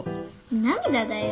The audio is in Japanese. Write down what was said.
涙だよ。